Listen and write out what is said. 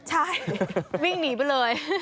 ใช่วิ่งหนีไปเลย